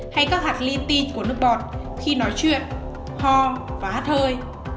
hay các hạt ly pin của nước bọt khi nói chuyện ho và hát hơi